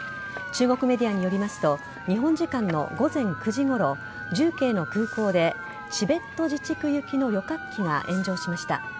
中国メディアによりますと日本時間の午前９時ごろ重慶の空港でチベット自治区行きの旅客機が炎上しました。